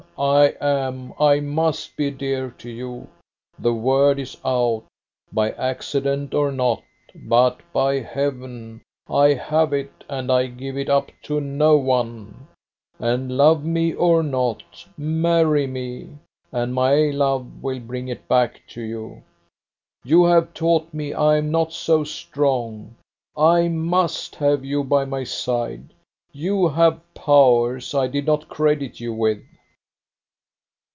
I am, I must be dear to you. The word is out, by accident or not, but, by heaven, I have it and I give it up to no one. And love me or not marry me, and my love will bring it back to you. You have taught me I am not so strong. I must have you by my side. You have powers I did not credit you with."